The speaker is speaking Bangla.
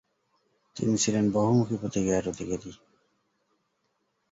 তিনি ছিলেন বহুমুখী প্রতিভার অধিকারী।